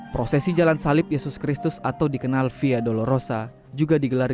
prosesi jalan salib yesus kristus atau dikenal via dolorosa juga digelar